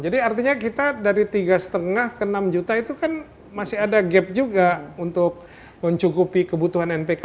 jadi artinya kita dari tiga lima ke enam juta itu kan masih ada gap juga untuk mencukupi kebutuhan npk